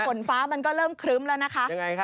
ฝนฟ้ามันก็เริ่มครึ้มแล้วนะคะ